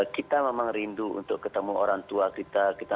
kita memang rindu untuk ketemu orang tua kita